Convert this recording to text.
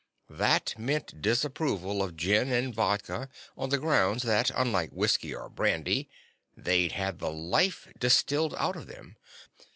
That meant disapproval of gin and vodka on the grounds that, unlike whiskey or brandy, they'd had the "life" distilled out of them.